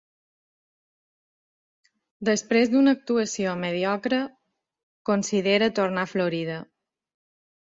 Després d'una actuació mediocre, considera tornar a Florida.